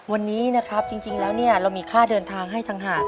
วันนี้นะครับจริงแล้วเนี่ยเรามีค่าเดินทางให้ต่างหาก